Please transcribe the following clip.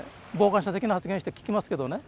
傍観者的な発言して聞きますけどね